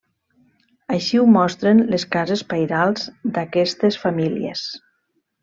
Així ho mostren les cases pairals d'aquestes famílies.